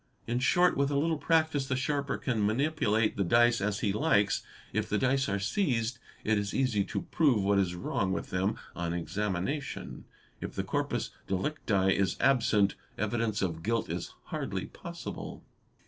In short, with a little practice the sharper can manipulate the dice as he likes. If the dice are seized, it is easy to prove what is wrong with them on examination. If the corpus delicti is absent, evidence of guilt is hardly possible.